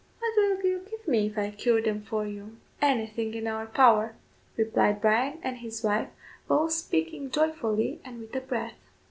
"What will you give me if I cure them for you?" "Anything in our power," replied Bryan and his wife, both speaking joyfully, and with a breath.